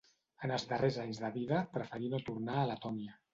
En els darrers anys de vida preferí no tornar a Letònia.